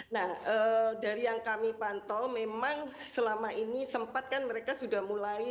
nah dari yang kami pantau memang selama ini sempat kan mereka sudah mulai